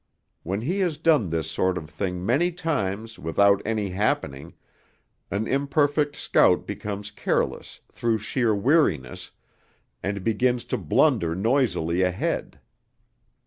When he has done this sort of thing many times without any happening, an imperfect scout becomes careless through sheer weariness, and begins to blunder noisily ahead.